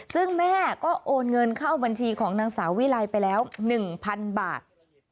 ซึ่งแม่ก็โอนเงินเข้าบัญชีของนางสาววิลัยไปแล้ว๑๐๐๐บาท